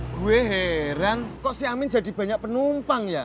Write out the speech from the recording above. gue heran kok si amin jadi banyak penumpang ya